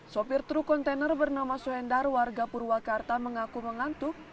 sopir truk kontainer bernama soendar warga purwakarta mengaku mengantuk